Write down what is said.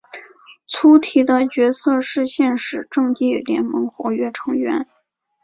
粗体的角色是现时正义联盟活跃成员。